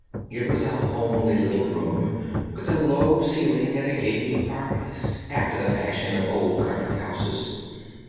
It was a homely little room, with a low ceiling and a gaping fireplace, after the fashion of old country houses.